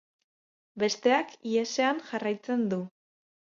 Besteak ihesean jarraitzen du.